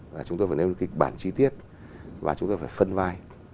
và chúng tôi phải nêu kịch bản chi tiết và chúng tôi phải phân vai